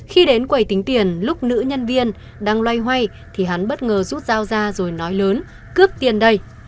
khi đến quầy tính tiền lúc nữ nhân viên đang loay hoay thì hắn bất ngờ rút dao ra rồi nói lớn cướp tiền đây